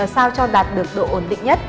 sao cho đạt được độ ổn định nhất